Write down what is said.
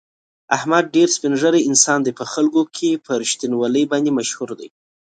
احمد ډېر سپین زړی انسان دی، په خلکو کې په رښتینولي باندې مشهور دی.